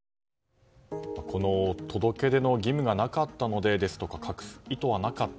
この届け出の義務がなかったので、ですとか隠す意図はなかった。